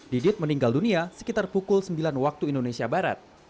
didit meninggal dunia sekitar pukul sembilan waktu indonesia barat